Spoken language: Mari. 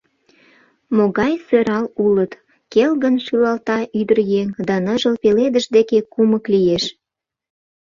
— Могай сӧрал улыт, — келгын шӱлалта ӱдыръеҥ да ныжыл пеледыш деке кумык лиеш.